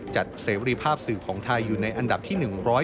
เสรีภาพสื่อของไทยอยู่ในอันดับที่๑๐